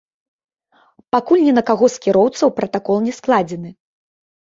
Пакуль ні на каго з кіроўцаў пратакол не складзены.